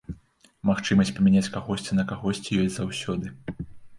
Магчымасць памяняць кагосьці на кагосьці ёсць заўсёды.